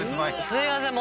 すいません